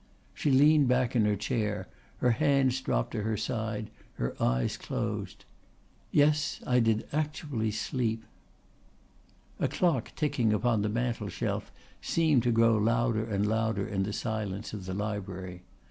She leaned back in her chair, her hands dropped to her side, her eyes closed. "Yes I did actually sleep." A clock ticking upon the mantelshelf seemed to grow louder and louder in the silence of the library.